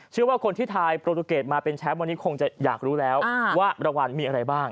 เชื่อว่าคนที่ทายโปรตูเกตมาเป็นแชมป์วันนี้คงจะอยากรู้แล้วว่ารางวัลมีอะไรบ้าง